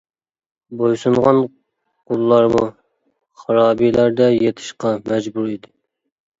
بويسۇنغان قۇللارمۇ خارابىلەردە يېتىشقا مەجبۇر ئىدى.